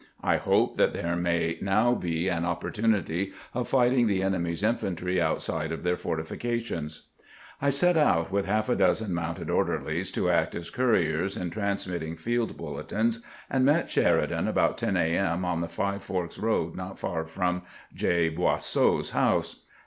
I hope that there may now be an opportunity of fighting the enemy's infantry outside of their fortifications." I set out with half a dozen mounted orderlies to act as couriers in transmitting field bulletins, and met Sheri dan about 10 A. M. on the Five Forks road not far from J. Boisseau's house.